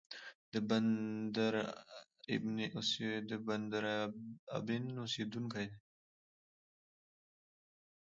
د بندرابن اوسېدونکی دی.